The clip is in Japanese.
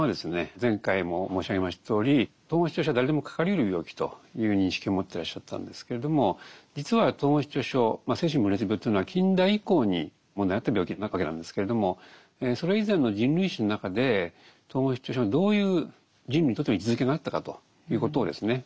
前回も申し上げましたとおり統合失調症は誰でもかかりうる病気という認識を持ってらっしゃったんですけれども実は統合失調症精神分裂病というのは近代以降に問題になった病気なわけなんですけれどもそれ以前の人類史の中で統合失調症がどういう人類にとっての位置づけがあったかということをですね